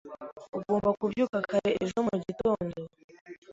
Ugomba kubyuka kare ejo mu gitondo.